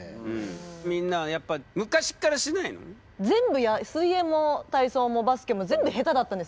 全部水泳も体操もバスケも全部下手だったんですよ。